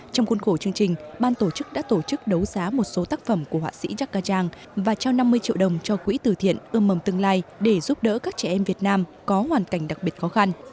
trong cuốn khổ chương trình ban tổ chức đã tổ chức đấu giá một số tác phẩm của họa sĩ gia cang thuật giang và trao năm mươi triệu đồng cho quỹ từ thiện ương mầm tương lai để giúp đỡ các trẻ em việt nam có hoàn cảnh đặc biệt khó khăn